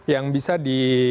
yang bisa di